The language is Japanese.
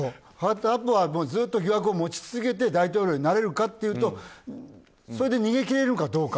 あとはずっと疑惑を持ち続けて大統領になれるかというと逃げ切れるかどうか。